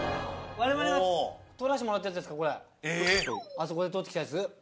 あそこで採ってきたやつ？